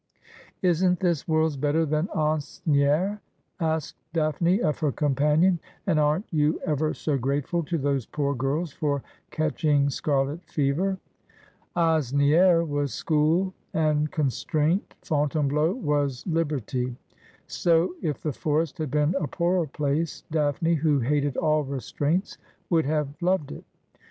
' Isn't this worlds better than Asnieres ?' asked Daphne of her companion ;' and aren't you ever so grateful to those poor girls for catching scarlet fever ?' Asnieres was school and constraint, Fontainebleau was li berty ; so if the forest had been a poorer place, Daphne, who hated all restraints, would have loved it.